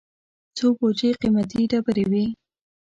څو بوجۍ قېمتي ډبرې وې.